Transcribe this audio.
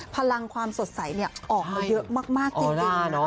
พลังความสดใสออกมาเยอะมากจริง